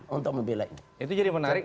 untuk memilih ini itu jadi menarik